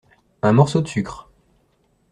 Un morceau de sucre.